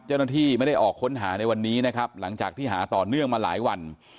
เจ้าหน้าที่ไม่ได้ออกค้นหาในวันนี้นะครับหลังจากที่หาต่อเนื่องมาหลายวัน